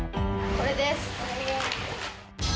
これです。